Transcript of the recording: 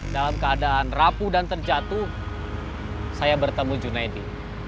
dalam keadaan rapuh dan terjatuh saya bertemu junaidi